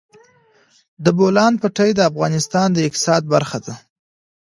د بولان پټي د افغانستان د اقتصاد برخه ده.